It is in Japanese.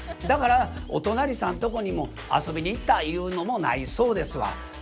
だからお隣さんとこにも遊びに行ったゆうのもないそうですわ。